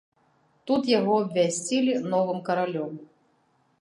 Тут яго абвясцілі новым каралём.